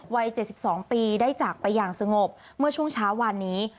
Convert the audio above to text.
วัย๗๒ปีได้จากไปอย่างสงบเมื่อช่วงเช้าวานนี้